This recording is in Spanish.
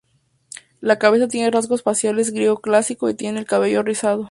La cabeza tiene rasgos faciales griegos clásicos y tiene el cabello rizado.